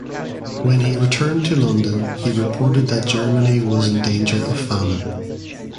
When he returned to London he reported that Germany was in danger of famine.